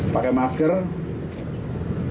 pakai masker menjaga jalan